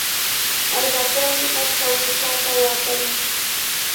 Hallqatrawmi achka uushaata waatayan.